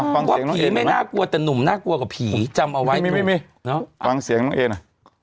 ว่าผีไม่น่ากลัวแต่หนุ่มน่ากลัวกับผีจำเอาไว้ดูฟังเสียงน้องเอนอ่ะ